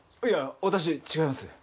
いや私違います。